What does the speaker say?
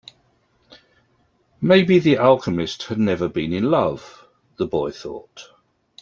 Maybe the alchemist has never been in love, the boy thought.